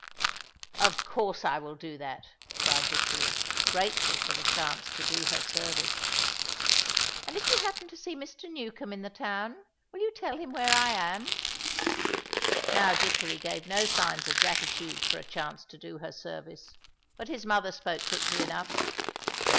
"Of course I will do that," cried Dickory, grateful for the chance to do her service. "And if you happen to see Mr. Newcombe in the town, will you tell him where I am?" Now Dickory gave no signs of gratitude for a chance to do her service, but his mother spoke quickly enough.